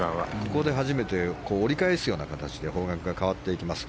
ここで初めて折り返すような形で方角が変わっていきます。